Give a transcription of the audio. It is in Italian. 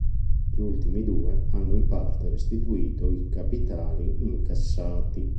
Gli ultimi due hanno in parte restituito i capitali incassati.